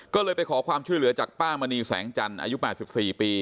ก็เลยไปขอความช่วยเหลือจากป้ามณีแสงจันทร์อายุ๘๔ปี